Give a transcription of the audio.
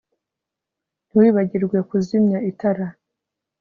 Ntiwibagirwe kuzimya itara